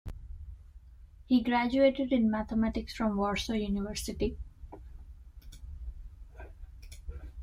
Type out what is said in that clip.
He graduated in mathematics from Warsaw University.